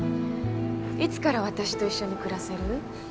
いつから私と一緒に暮らせる？